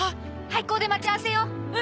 廃校で待ち合わせよう。